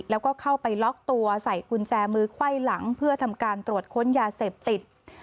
แล้วก็เข้าไปล็อกตัวใส่กุญแจมือไขว้หลังเพื่อทำการตรวจค้นยาเสพติด